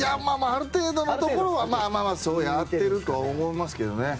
ある程度のところはやってると思いますけどね。